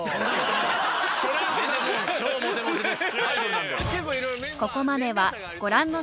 超モテモテです。